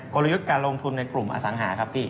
กลยุทธ์การลงทุนในกลุ่มอสังหาครับพี่